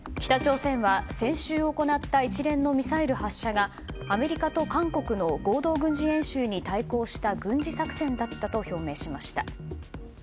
北朝鮮は先週行った一連のミサイル発射がアメリカと韓国の合同軍事演習に対抗した作戦だったと表明しました。